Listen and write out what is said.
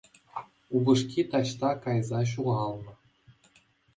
Упӑшки таҫта кайса ҫухалнӑ.